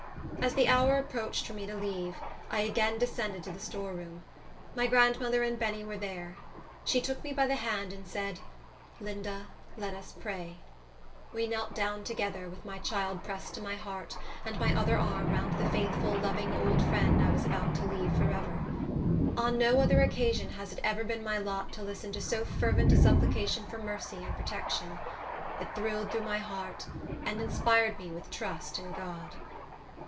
As the hour approached for me to leave, I again descended to the storeroom. My grandmother and Benny were there. She took me by the hand, and said, "Linda, let us pray." We knelt down together, with my child pressed to my heart, and my other arm round the faithful, loving old friend I was about to leave forever. On no other occasion has it ever been my lot to listen to so fervent a supplication for mercy and protection. It thrilled through my heart, and inspired me with trust in God.